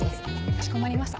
かしこまりました。